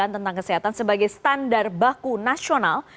tentang kesehatan sebagai standar baku nasional